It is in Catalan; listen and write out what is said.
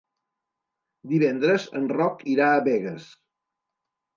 Divendres en Roc irà a Begues.